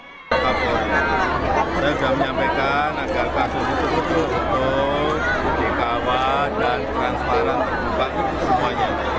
saya sudah menyampaikan agar kasus ditutup tutup untuk dikawal dan transparan terdampak itu semuanya